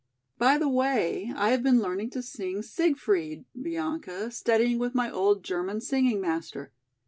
"By the way I have been learning to sing "Siegfried," Bianca, studying with my old German singing master.